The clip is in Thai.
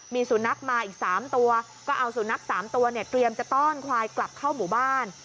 มีสุนัขมาอีก๓ตัวก็เอาสุนัข๓ตัวเนี่ยเตรียมจะต้อนควายกลับเข้าหมู่บ้าน